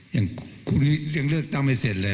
ยังเลือกเสร็จเลย